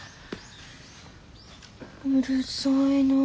うるさいなぁ。